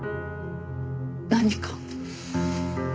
何か？